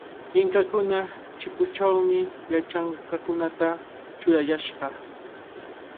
Inkakunaqa kipuchawmi yachanqakunata churayashqa.